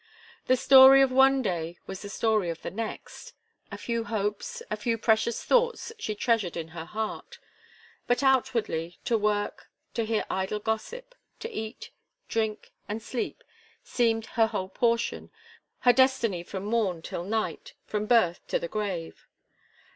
The story of one day was the story of the next. A few hopes, a few precious thoughts she treasured in her heart; but outwardly, to work, to hear idle gossip, to eat, drink, and sleep, seemed her whole portion, her destiny from mom till night, from birth to the grave.